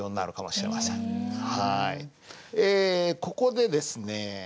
ここでですね